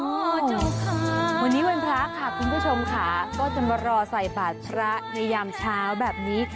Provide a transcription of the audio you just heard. วันนี้วันพระค่ะคุณผู้ชมค่ะก็จะมารอใส่ปาสระในยามเช้าแบบนี้